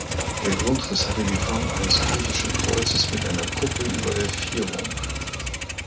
Der Grundriss hatte die Form eines griechischen Kreuzes mit einer Kuppel über der Vierung.